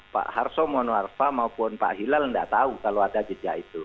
pak harso mono arfa maupun pak hilal tidak tahu kalau ada jejak itu